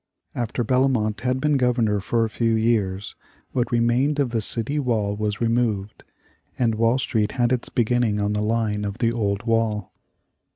After Bellomont had been Governor for a few years, what remained of the city wall was removed, and Wall Street had its beginning on the line of the old wall.